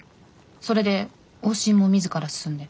それで往診もみずから進んで？